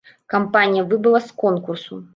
Кампанія выбыла з конкурсу.